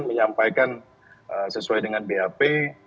kita sampaikan sesuai dengan bap